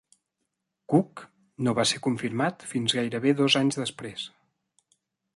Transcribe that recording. Cook no va ser confirmat fins gairebé dos anys després.